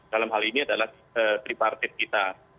dalam hal ini adalah tripartit kita